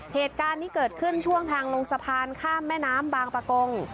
เหตุการณ์นี้เกิดขึ้นช่วงทางลงสะพานข้ามแม่น้ำบางประกง